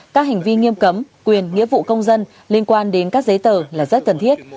các hành vi nghiêm cấm quyền nghĩa vụ công dân liên quan đến các giấy tờ là rất cần thiết